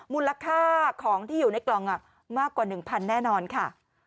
มูลค่าของที่อยู่ในกล่องมากกว่า๑๐๐แน่นอนค่ะ